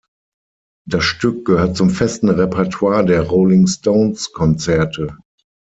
Das Stück gehört zum festen Repertoire der Rolling-Stones-Konzerte.